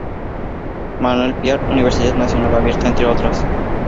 Manuel Piar, Universidad Nacional Abierta, entre otras.